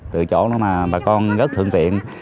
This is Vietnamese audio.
từ chỗ đó mà bà con rất thượng tiện